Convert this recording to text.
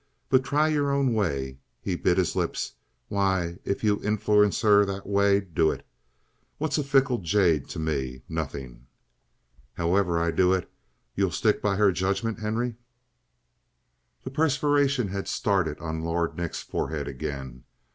But try your own way." He bit his lips. "Why, if you influence her that way do it. What's a fickle jade to me? Nothing!" "However I do it, you'll stick by her judgment, Henry?" The perspiration had started on Lord Nick's forehead again.